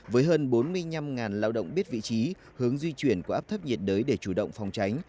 với hơn bốn mươi năm lao động biết vị trí hướng di chuyển của áp thấp nhiệt đới để chủ động phòng tránh